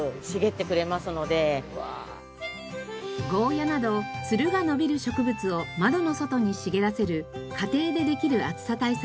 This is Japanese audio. ゴーヤーなどつるが伸びる植物を窓の外に茂らせる家庭でできる暑さ対策